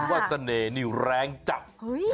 คือว่าเสน่ห์นิวแรงจักร